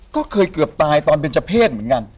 ก็เคยเกือบตายตอนเป็นเจ้าเพศเหมือนกัน